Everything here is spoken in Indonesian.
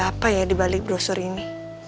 sebenernya ada apa ya di balik brosur ini